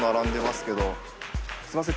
すいません